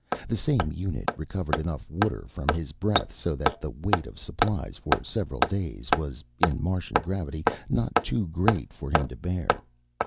The same unit recovered enough water from his breath so that the weight of supplies for several days was, in Martian gravity, not too great for him to bear.